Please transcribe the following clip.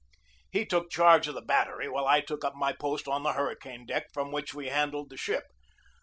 He took charge of the battery, while I took up my post on the hurricane deck from which we handled the ship.